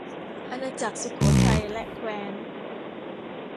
อาณาจักรสุโขทัยและแคว้น